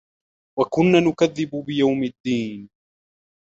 وكنا نكذب بيوم الدين